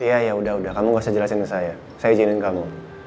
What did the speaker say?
iya ya udah udah kamu gak usah jelasin ke saya saya izinin kamu